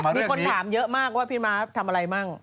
มีคนถามเยอะมากว่าพี่ม้าทำอะไรมั่ง